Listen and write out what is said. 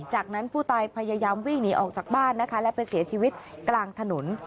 จากนั้นผู้ตายพยายามวิ่งหนีออกจากบ้านนะคะและไปเสียชีวิตกลางถนน